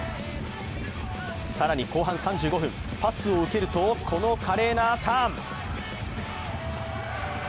更に後半３５分、パスを受けるとこの華麗なターン。